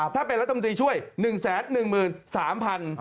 ถ้าเป็นรัฐมนตรีช่วย๑๑๓๐๐บาท